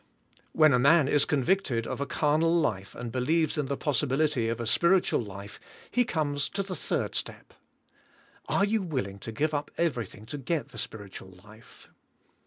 When a man is convicted of a carnal life and be 12 THE SPIRITUAL LIFE. lieves in the possibility of a spiritual life he comes to the third step. 3rd. Are you willing to give up everything to get the spiritual life?